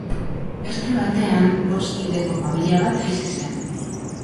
Beste batean bost kideko familia bat bizi zen.